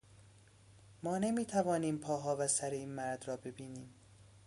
ما نمیتوانیم پاها و سر این مرد را ببینیم.